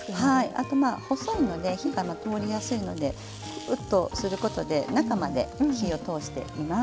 あとまあ細いので火が通りやすいのでグッとすることで中まで火を通しています。